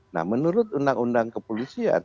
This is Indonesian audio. nah menurut undang undang kepolisian